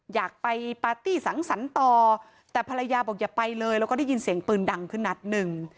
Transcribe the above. อยากไปปาร์ตี้สังสรรค์ต่อแต่ภรรยาบอกอย่าไปเลยแล้วก็ได้ยินเสียงปืนดังขึ้นนัดหนึ่ง